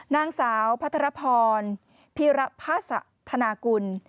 นางสาวพัทรพรพิรพสถานกุล